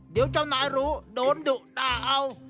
เดี๋ยวเจ้านายรู้โดนดุด่าเอา